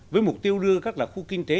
với mục tiêu đưa các là khu kinh tế